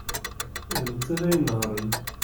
D nettat ay inehhṛen.